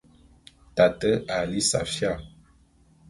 Tate a lí safía.